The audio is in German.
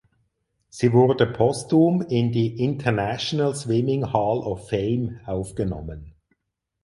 Sie wurde posthum in die International Swimming Hall of Fame aufgenommen.